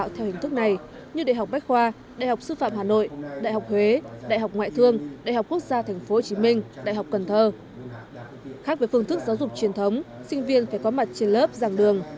khác với phương thức giáo dục truyền thống sinh viên phải có mặt trên lớp dàng đường